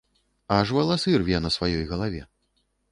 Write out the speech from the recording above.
Аж валасы рве на сваёй галаве.